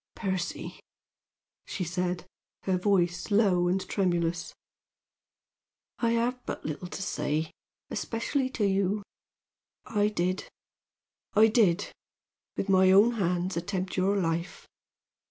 "Percy," she said, her voice low and tremulous. "I have but little to say, especially to you. I did I did, with my own hands attempt your life!